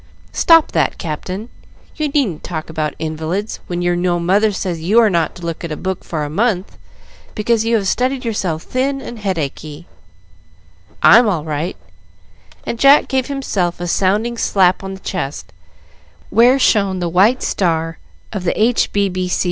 "Stop that, Captain! You needn't talk about invalids, when you know mother says you are not to look at a book for a month because you have studied yourself thin and headachy. I'm all right;" and Jack gave himself a sounding slap on the chest, where shone the white star of the H.